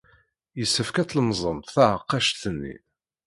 Yessefk ad tlemẓemt taɛeqqact-nni.